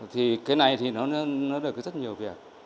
thì cái này thì nó được rất nhiều việc